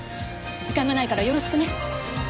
時間がないからよろしくね。